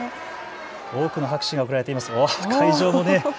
多くの拍手が送られています。